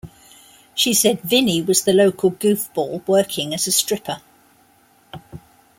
She said Vinnie was the local goofball working as a stripper.